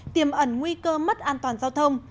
tiềm ẩn nguy cơ mất an toàn giao thông